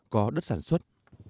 có đất sản xuất